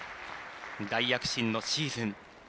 大躍進のシーズン。